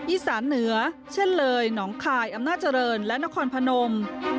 อีสานเหนือเช่นเลยหนองคายอำนาจเจริญและนครพนม